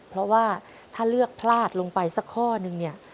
เพราะว่าถ้าเลือกพลาดลงไปสักข้อนึงเนี่ย